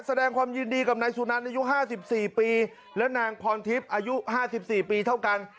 แสดงความยินดีกับนายสุนันอายุ๕๔ปีและนางพรทิพย์อายุ๕๔ปีเท่ากัน